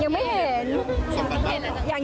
ยังไม่เห็น